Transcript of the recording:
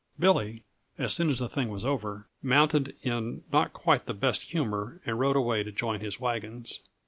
Billy, as soon as the thing was over, mounted in not quite the best humor and rode away to join his wagons.